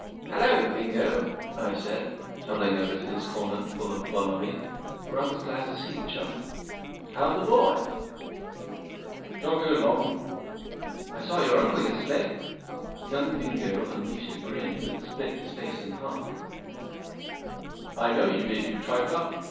44 Hallo, Bingo," I said, toddling over to his corner full of bonhomie, for I was glad to see the'chump. 44 How's the boy ?" 44 Jogging along." 44 I saw' your uncle yesterday." Young Bingo unleashed a grin that split his face in half. 44 I know you did, you trifler.